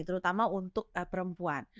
terutama untuk perempuan